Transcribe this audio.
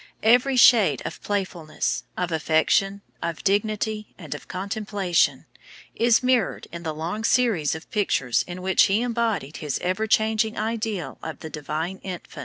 Every shade of playfulness, of affection, of dignity, and of contemplation, is mirrored in the long series of pictures in which he embodied his ever changing ideal of the Divine Infant.